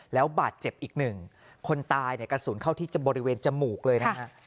แล้วบาดเจ็บอีกหนึ่งคนตายเนี่ยกระสุนเข้าที่บริเวณจมูกเลยนะฮะ